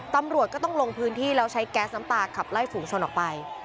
ตำรวจก็ต้องลงพื้นที่แล้วใช้แก๊สน้ำตาขับไล่ฝูงชนออกไป